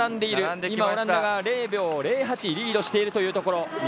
今、オランダが０秒０８リードしているというところ。